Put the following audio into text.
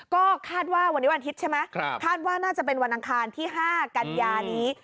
ก็คาดว่าวันนี้วันอาทิตย์ใช่ไหมคาดว่าน่าจะเป็นวันอังคารที่๕กันยานี้